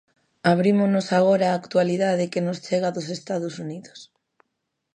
Abrímonos agora á actualidade que nos chega dos Estados Unidos.